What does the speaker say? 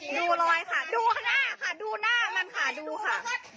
ดูรอยค่ะดูข้างหน้าค่ะดูหน้ามันค่ะดูค่ะ